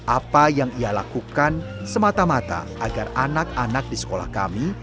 apa yang ia lakukan semata mata agar anak anak di sekolah kami